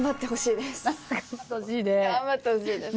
頑張ってほしいね。